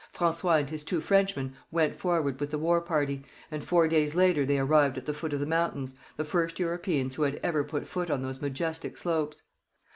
François and his two Frenchmen went forward with the war party, and four days later they arrived at the foot of the mountains, the first Europeans who had ever put foot on those majestic slopes.